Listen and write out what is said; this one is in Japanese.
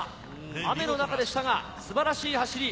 雨の中でしたが素晴らしい走り。